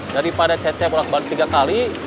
jadi pada cecep ulang balik tiga kali